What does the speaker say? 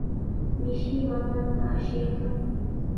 Mishi mamanta ashiykan.